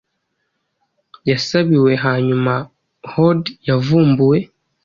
Yasabiwe Hanyuma hoard yavumbuwe